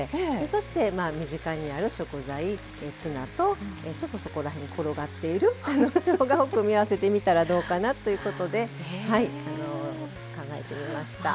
そして身近にある食材ツナとちょっとそこら辺に転がっているしょうがを組み合わせてみたらどうかなということで考えてみました。